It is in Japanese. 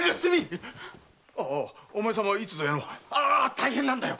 大変なんだよ！